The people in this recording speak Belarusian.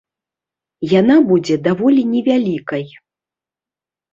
Яна будзе даволі невялікай.